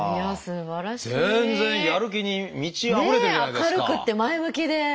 明るくって前向きで。